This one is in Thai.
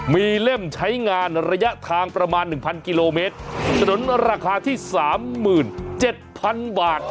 มีเล่มใช้งานระยะทางประมาณ๑๐๐กิโลเมตรถนนราคาที่๓๗๐๐บาท